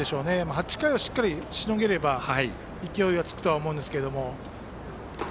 ８回をしっかりしのげれば勢いがつくとは思うんですけども。